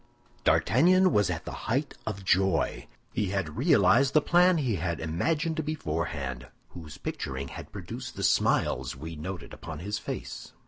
D'Artagnan was at the height of joy; he had realized the plan he had imagined beforehand, whose picturing had produced the smiles we noted upon his face.